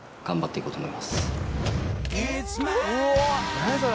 何それ。